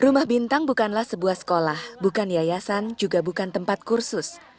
rumah bintang bukanlah sebuah sekolah bukan yayasan juga bukan tempat kursus